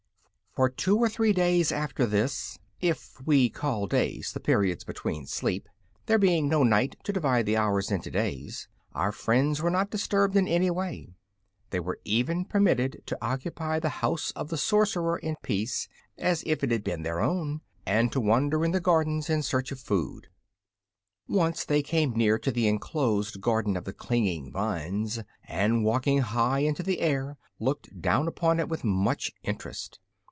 For two or three days after this if we call days the periods between sleep, there being no night to divide the hours into days our friends were not disturbed in any way. They were even permitted to occupy the House of the Sorcerer in peace, as if it had been their own, and to wander in the gardens in search of food. Once they came near to the enclosed Garden of the Clinging Vines, and walking high into the air looked down upon it with much interest.